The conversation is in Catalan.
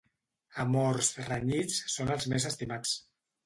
Amors renyits són els més estimats.